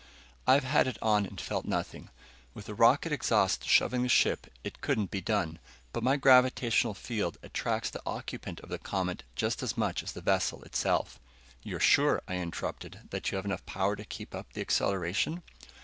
"I've had it on and felt nothing. With a rocket exhaust shoving the ship, it couldn't be done, but my gravitational field attracts the occupant of the Comet just as much as the vessel itself." "You're sure," I interrupted, "that you have enough power to keep up the acceleration?"